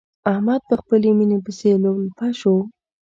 احمد په خپلې ميينې پسې لولپه شو.